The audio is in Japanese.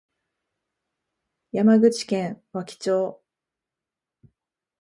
山口県和木町